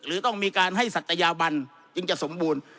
หรือต้องมีการให้ศัตยาบันจึงจะสมบูรณ์